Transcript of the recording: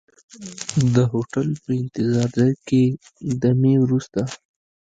د هوټل په انتظار ځای کې دمې وروسته.